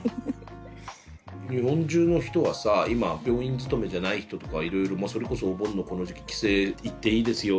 日本中の人はさ今病院勤めじゃない人とかはいろいろそれこそお盆のこの時期帰省行っていいですよ